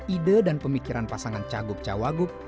ide dan pemikiran pasangan cagup cawagup